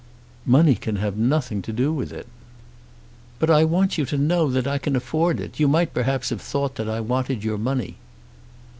"Money can have nothing to do with it." "But I want you to know that I can afford it. You might perhaps have thought that I wanted your money."